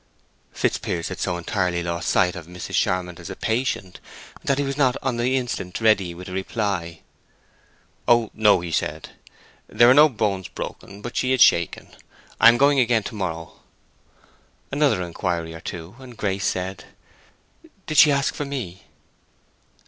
Fitzpiers had so entirely lost sight of Mrs. Charmond as a patient that he was not on the instant ready with a reply. "Oh no," he said. "There are no bones broken, but she is shaken. I am going again to morrow." Another inquiry or two, and Grace said, "Did she ask for me?"